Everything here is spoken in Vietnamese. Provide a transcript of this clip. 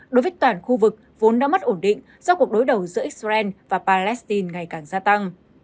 đối với toàn khu vực vốn đã mất ổn định do cuộc đối đầu giữa israel và palestine ngày càng gia tăng